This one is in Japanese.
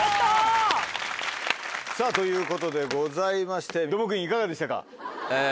さぁということでございましてドモクインいかがでしたか？